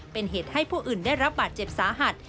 เป็นเหตุให้ผู้อื่นได้รับบาดเจ็บสาหัส